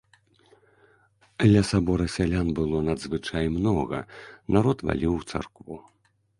Ля сабора сялян было надзвычай многа, народ валіў у царкву.